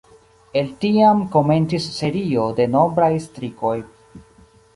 El tiam komencis serio de nombraj strikoj.